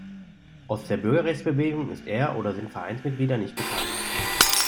Aus der Bürgerrechtsbewegung ist er oder sind Vereinsmitglieder nicht bekannt.